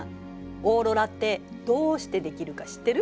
オーロラってどうして出来るか知ってる？